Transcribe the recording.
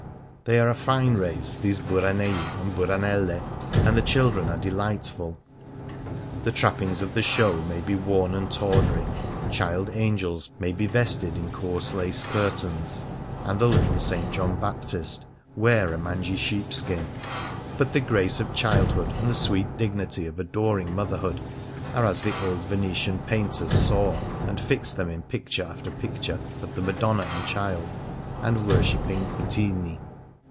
They are a fine race, these " Buranei " and " Buranelle," and the children are delightful. The trappings of the show may be worn and tawdry, child angels may be vested in coarse lace 122 Fasts and Festivals curtains, and the little St. John Baptist wear a mangy sheepskin ; but the grace of childhood and the sweet dignity of adoring motherhood are as the old Venetian painters saw and fixed them in picture after picture of the Madonna and Child, and worshipping puttini.